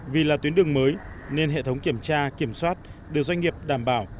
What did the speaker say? vì là tuyến đường mới nên hệ thống kiểm tra kiểm soát được doanh nghiệp đảm bảo